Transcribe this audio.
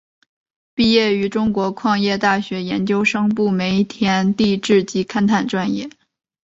毕业于中国矿业大学研究生部煤田地质及勘探专业。